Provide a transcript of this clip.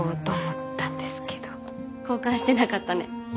交換してなかったね。